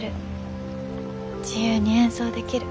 自由に演奏できる。